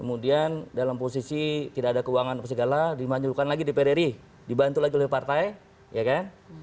kemudian dalam posisi tidak ada keuangan atau segala dimanjurkan lagi di pdri dibantu lagi oleh partai ya kan